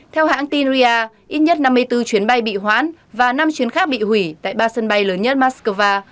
theo hãng tin ria ít nhất năm mươi bốn chuyến bay bị hoãn và năm chuyến khác bị hủy tại ba sân bay lớn nhất moscow